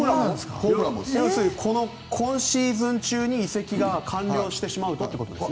この今シーズン中に移籍が完了してしまうとということですね。